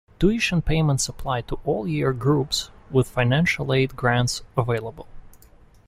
Tuition payments apply to all year groups, with financial aid grants available.